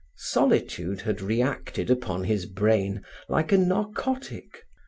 Solitude had reacted upon his brain like a narcotic.